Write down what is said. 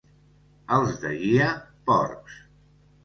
Els de Gia, porcs.